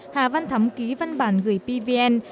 hà văn thắm ký văn bản gửi pvn